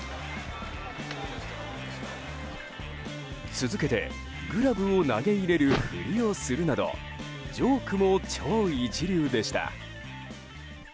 続けて、グラブを投げ入れるふりをするなどジョークも超一流でした。